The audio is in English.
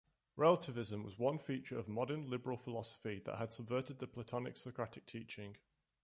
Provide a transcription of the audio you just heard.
Relativism was one feature of modern liberal philosophy that had subverted the Platonic-Socratic teaching.